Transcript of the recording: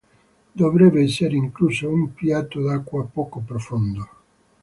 Dovrebbe essere incluso un piatto d'acqua poco profondo.